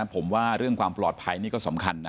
ผมว่าเรื่องความปลอดภัยนี่ก็สำคัญนะ